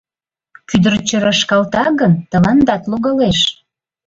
Кӱдырчӧ рашкалта гын, тыландат логалеш.